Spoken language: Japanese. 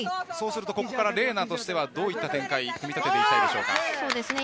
ここからＲＥＮＡとしてはどういった展開に組み立てていきたいでしょうか。